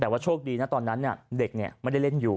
แต่ว่าโชคดีนะตอนนั้นเนี้ยเด็กเนี้ยไม่ได้เล่นอยู่